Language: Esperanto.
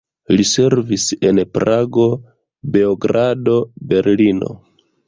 Li servis en Prago, Beogrado, Berlino.